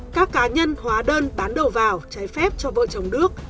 các cá nhân hóa đơn bán đầu vào trái phép cho vợ chồng đức